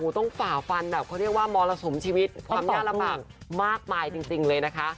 ฝ่าฟันแบบเขาเรียกว่ามรสุมชีวิตความยากลำบากมากมายจริงเลยนะคะ